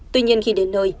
tuy nhiên khi đến nơi